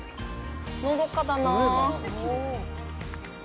のどかだなあ。